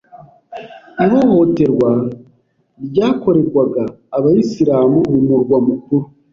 ihohoterwa ryakorerwaga abayislam mu murwa mukuru